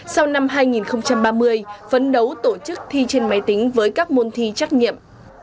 sau năm hai nghìn ba mươi phấn đấu tổ chức thi trên máy tính với các môn thi trắc nghiệm